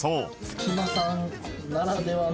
スキマさんならではの？